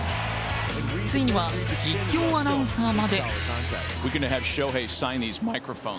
ついには実況アナウンサーまで。